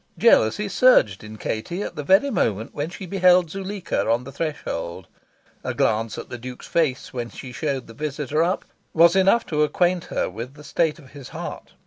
Jealousy surged in Katie at the very moment when she beheld Zuleika on the threshold. A glance at the Duke's face when she showed the visitor up was enough to acquaint her with the state of his heart.